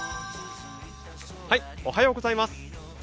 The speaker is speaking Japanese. おはようございます。